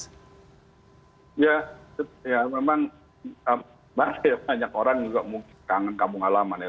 ya memang banyak orang juga mungkin kangen kamu alamannya